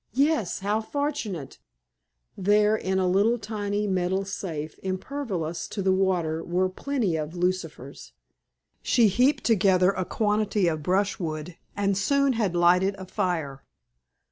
Yes; how fortunate! There, in a tiny metal safe impervious to the water were plenty of lucifers. She heaped together a quantity of brushwood and soon had lighted a fire.